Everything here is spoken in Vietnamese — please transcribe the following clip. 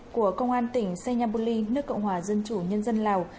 của công an tỉnh senyabuli nước cộng hòa dân chủ nhân dân lào